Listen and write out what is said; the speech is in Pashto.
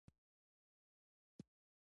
او د شل، شلګي په ډول استعمالېږي.